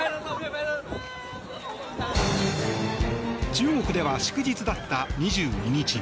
中国では祝日だった２２日。